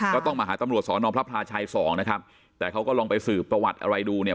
ก็ต้องมาหาตำรวจสพช๒นะครับแต่เขาก็ลองไปสื่อประวัติอะไรดูเนี่ย